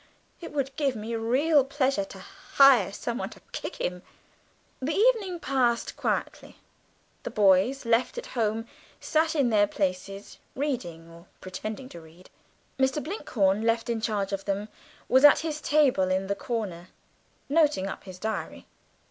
It would give me real pleasure to hire someone to kick him." The evening passed quietly; the boys left at home sat in their places, reading or pretending to read. Mr. Blinkhorn, left in charge of them, was at his table in the corner noting up his diary.